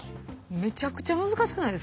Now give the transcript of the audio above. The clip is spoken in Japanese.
めちゃくちゃ難しくないですか？